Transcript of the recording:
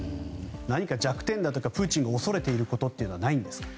何か弱点とかプーチンが恐れていることはないんですか？